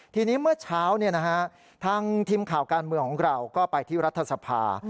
ทีนี้เมื่อเช้าทางทีมข่าวการเมืองของเราก็ไปที่รัฐสภา